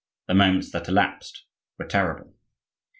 The moments that elapsed were terrible.